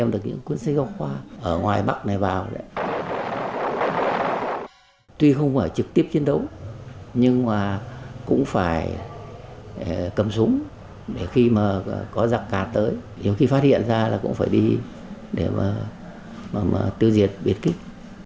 tuy không phải trực tiếp chiến đấu nhưng mà cũng phải cầm súng để khi mà có giặc cả tới nhiều khi phát hiện ra là cũng phải đi để mà tiêu diệt biệt kích